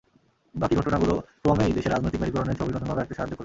বাকি ঘটনাগুলোও ক্রমেই দেশের রাজনৈতিক মেরুকরণের ছবি নতুনভাবে আঁকতে সাহায্য করবে।